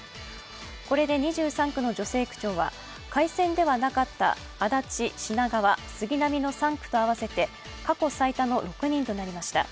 これで２３区の女性区長は改選ではなかった足立、品川、杉並の３区と合わせて過去最多の６人となりました。